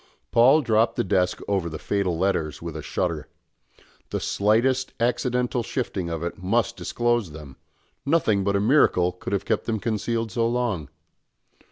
Paul dropped the desk over the fatal letters with a shudder. The slightest accidental shifting of it must disclose them nothing but a miracle could have kept them concealed so long.